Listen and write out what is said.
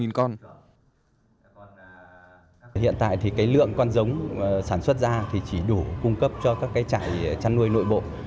hiện tại thì cái lượng con giống sản xuất ra thì chỉ đủ cung cấp cho các cái trại chăn nuôi nội bộ